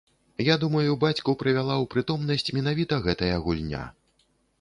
Я думаю, бацьку прывяла ў прытомнасць менавіта гэтая гульня.